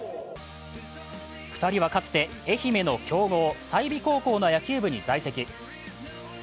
２人はかつて愛媛の強豪・済美高校の野球部に在籍。